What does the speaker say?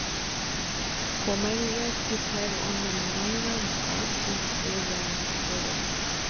For many years he played only minor parts in Irving's productions.